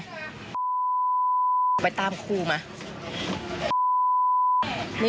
จะฆ่ามันได้ไหมละตอนนี้